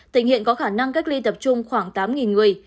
tỉnh hiện có khả năng cách ly tập trung khoảng tám người